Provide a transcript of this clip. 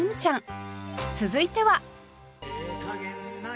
続いては